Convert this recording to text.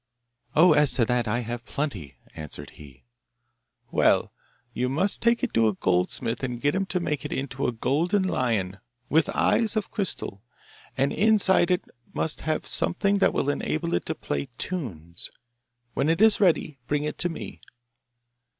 'Oh, as to that, I have plenty,' answered he. 'Well, you must take it to a goldsmith and get him to make it into a golden lion, with eyes of crystal; and inside it must have something that will enable it to play tunes. When it is ready bring it to me.